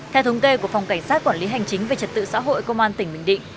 theo thống kê của phòng cảnh sát quản lý hành chính về trật tự xã hội công an tỉnh bình định